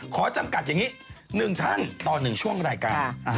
จำกัดอย่างนี้๑ท่านต่อ๑ช่วงรายการ